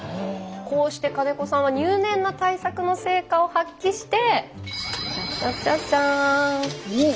こうして金子さんは入念な対策の成果を発揮してチャチャチャチャーン。